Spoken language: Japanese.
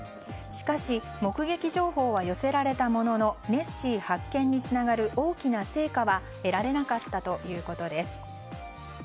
しかし目撃情報は寄せられたもののネッシー発見につながる大きな成果は得られなかったということです。